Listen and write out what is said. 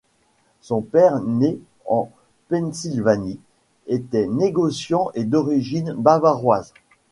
Son père né en Pennsylvanie était négociant et d'origine bavaroise.